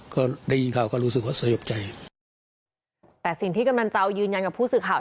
ก็ได้ยินข่าวก็รู้สึกว่าสยบใจแต่สิ่งที่กำนันเจ้ายืนยันกับผู้สื่อข่าว